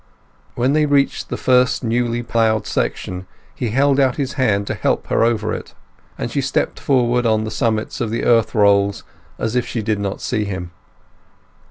When they reached the first newly ploughed section he held out his hand to help her over it; but she stepped forward on the summits of the earth rolls as if she did not see him.